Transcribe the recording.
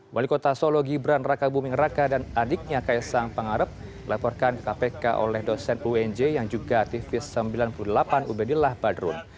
wali kota solo gibran raka buming raka dan adiknya kaisang pangarep laporkan ke kpk oleh dosen unj yang juga aktivis sembilan puluh delapan ubedillah badrun